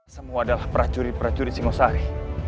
semua adalah prajurit prajurit singosari